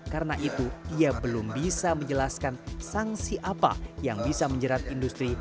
karena itu ia belum bisa menjelaskan sangsi apa yang bisa menjerat industri